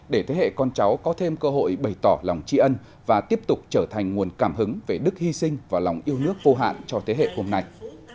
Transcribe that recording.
để thế hệ con cháu có thêm cơ hội bày tỏ lòng tri ân và tiếp tục trở thành nguồn cảm hứng về đức hy sinh và lòng yêu nước vô hạn cho thế hệ hôm nay